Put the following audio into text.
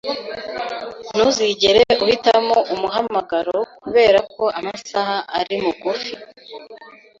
Ntuzigere uhitamo umuhamagaro kubera ko amasaha ari mugufi.